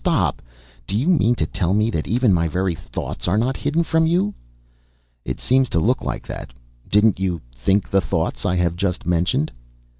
Stop! Do you mean to tell me that even my very thoughts are not hidden from you?" "It seems to look like that. Didn't you think the thoughts I have just mentioned?"